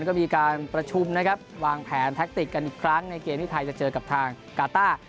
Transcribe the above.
ก็มีการประชุมนะครับวางแผนแท็กติกกันอีกครั้งในเกมที่ไทยจะเจอกับทางกาต้า